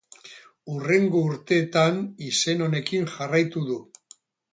Hurrengo urteetan izen honekin jarraitu du.